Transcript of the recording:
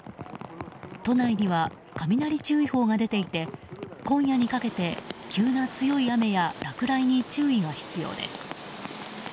都内には雷注意報が出ていて今夜にかけて急な強い雨や落雷に注意が必要です。